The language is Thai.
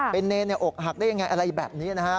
เป็นเนรนเนี่ยอกหักได้อย่างไรอะไรแบบนี้นะฮะ